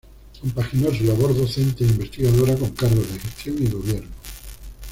Compaginó su labor docente e investigadora con cargos de gestión y gobierno.